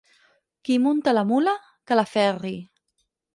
Qui munta la mula, que la ferri.